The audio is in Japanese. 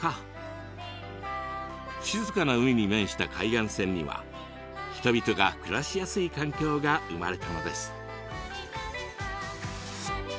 静かな海に面した海岸線には人々が暮らしやすい環境が生まれたのです。